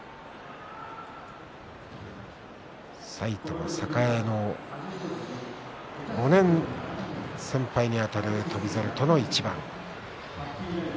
埼玉栄の５年先輩にあたる翔猿との一番です。